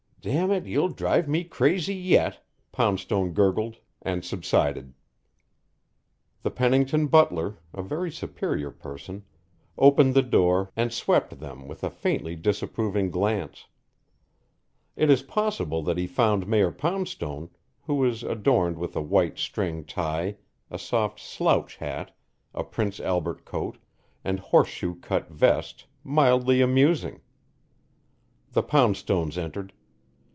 "Dammit, you'll drive me crazy yet," Poundstone gurgled, and subsided. The Pennington butler, a very superior person, opened the door and swept them with a faintly disapproving glance. It is possible that he found Mayor Poundstone, who was adorned with a white string tie, a soft slouch hat, a Prince Albert coat, and horseshoe cut vest, mildly amusing. The Poundstones entered.